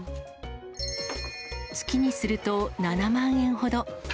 月にすると７万円ほど。